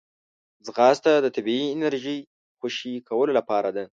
ځغاسته د طبیعي انرژۍ خوشې کولو لاره ده